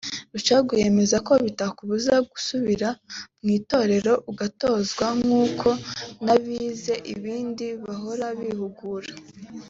Rucagu yemeza ko bitakubuza gusubira mu itorero ugatozwa nkuko n’abize ibindi bahora bihugura